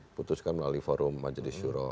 itu diputuskan melalui forum majelis shure